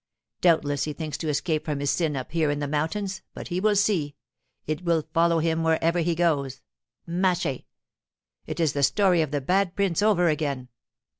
Doubtless he thinks to escape from his sin up here in the mountains—but he will see—it will follow him wherever he goes. Maché! It is the story of the Bad Prince over again.